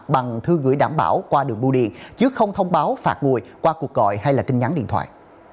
bằng thư gửi đảm bảo qua đường bu điện chứ không thông báo phạt ngùi qua cuộc gọi hay tin nhắn điện thoại